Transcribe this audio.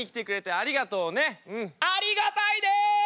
ありがたいで！